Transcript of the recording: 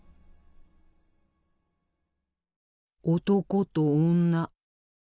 男と女。